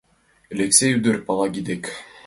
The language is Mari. Элексей ӱдыр Палагий дек